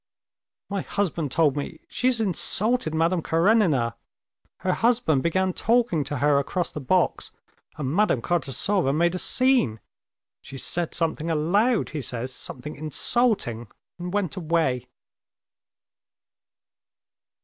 "My husband told me.... She has insulted Madame Karenina. Her husband began talking to her across the box, and Madame Kartasova made a scene. She said something aloud, he says, something insulting, and went away."